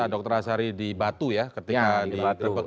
biasa dr azari di batu ya ketika di terpeg